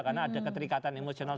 karena ada keterikatan emosional